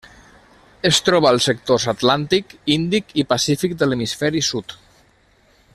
Es troba als sectors atlàntic, índic i pacífic de l'hemisferi sud.